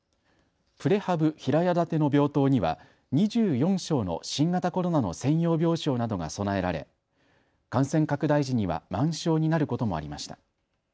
プレハブ平屋建ての病棟には２４床の新型コロナの専用病床などが備えられ感染拡大時には満床になることもありました。